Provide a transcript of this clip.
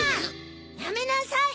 やめなさい！